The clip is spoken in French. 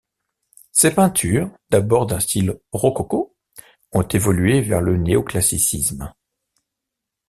Ses peintures, d'abord d'un style rococo, ont évolué vers le néoclassicisme.